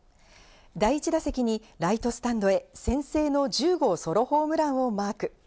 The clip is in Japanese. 第１打席にライトスタンドへ先制の１０号ソロホームランをマーク。